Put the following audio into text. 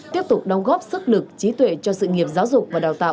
tiếp tục đóng góp sức lực trí tuệ cho sự nghiệp giáo dục và đào tạo